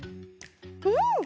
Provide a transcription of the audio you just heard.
うん！